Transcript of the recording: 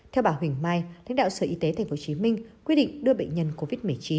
theo bà huỳnh mai lãnh đạo sở y tế tp hcm quy định đưa bệnh nhân covid một mươi chín